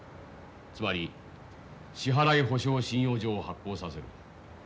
つまり支払い保証信用状を発行させる。